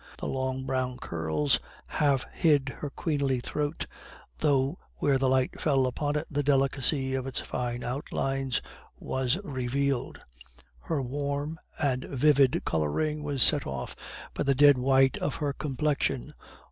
The long brown curls half hid her queenly throat, though where the light fell upon it, the delicacy of its fine outlines was revealed. Her warm and vivid coloring was set off by the dead white of her complexion.